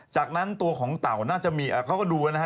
จากนั้นตัวของเต่าน่าจะมีเขาก็ดูแล้วนะฮะ